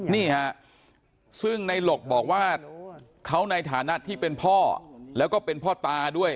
นี่ฮะซึ่งในหลกบอกว่าเขาในฐานะที่เป็นพ่อแล้วก็เป็นพ่อตาด้วย